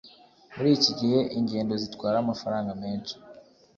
muri iki gihe, ingendo zitwara amafaranga menshi